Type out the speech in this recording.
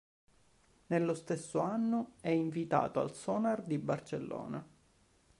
Nello stesso anno è invitato al Sonar di Barcellona.